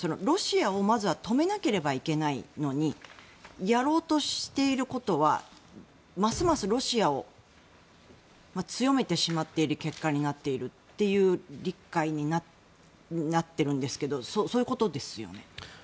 ロシアをまずは止めなければいけないのにやろうとしていることはますますロシアを強めてしまっている結果になっているという理解になってるんですけどそういうことですよね？